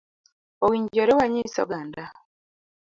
Owinjore wanyis oganda